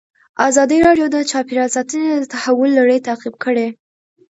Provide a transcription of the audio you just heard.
ازادي راډیو د چاپیریال ساتنه د تحول لړۍ تعقیب کړې.